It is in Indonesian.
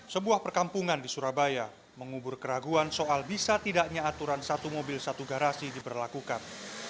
sebuah perkampungan di surabaya mengubur keraguan soal bisa tidaknya aturan satu mobil satu garasi diberlakukan